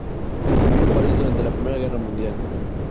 Vivió en París durante la Primera Guerra Mundial.